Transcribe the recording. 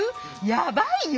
やばいよ。